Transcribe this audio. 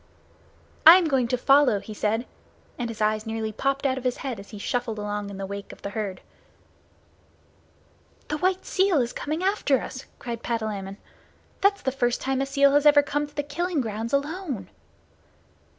"I am going to follow," he said, and his eyes nearly popped out of his head as he shuffled along in the wake of the herd. "The white seal is coming after us," cried Patalamon. "That's the first time a seal has ever come to the killing grounds alone."